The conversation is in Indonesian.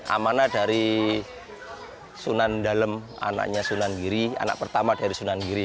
amanah dari sunan dalem anaknya sunan giri anak pertama dari sunan giri